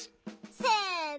せの！